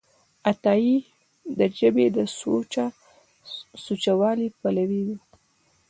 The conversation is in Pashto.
عطایي د ژبې د سوچهوالي پلوی و.